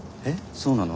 そうなの？